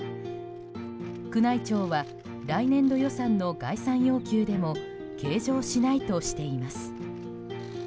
宮内庁は来年度予算の概算要求でも計上しないとしています。